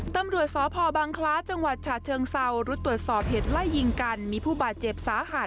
ตำรวจสพบังคล้าจังหวัดฉะเชิงเซารุดตรวจสอบเหตุไล่ยิงกันมีผู้บาดเจ็บสาหัส